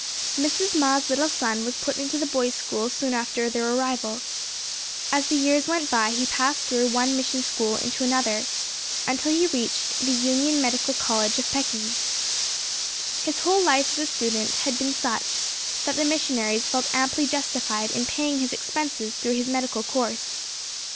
Mrs. Ma's little son was put into the Boys' School soon after their arrival. As the years went by he passed through one Mission School into another, until he reached the Union Medical College of Peking. His whole life as a student had been such that the missionaries felt amply justified in paying his expenses through his medical course.